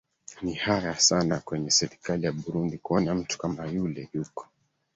ni haya sana kwenye serikali ya burundi kuona mtu kama yule yuko